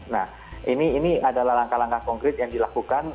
nah ini adalah langkah langkah konkret yang dilakukan